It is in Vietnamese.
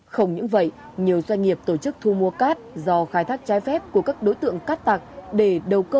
không những vậy nhiều doanh nghiệp tổ chức thu mua cát do khai thác trái phép của các đối tượng cát tặc